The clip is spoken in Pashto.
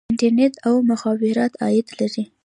انټرنیټ او مخابرات عاید لري